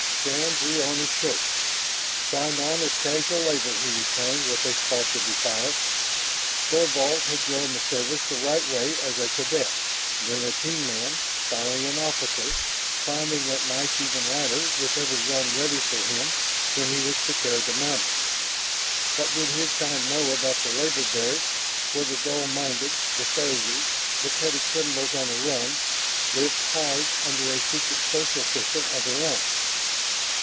Shann drew on his shirt. "Signed on as casual labor," he returned with a spark of defiance. Thorvald had joined the Service the right way as a cadet, then a Team man, finally an officer, climbing that nice even ladder with every rung ready for him when he was prepared to mount it. What did his kind know about the labor Barracks where the dull minded, the failures, the petty criminals on the run, lived hard under a secret social system of their own?